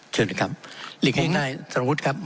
เชิญครับ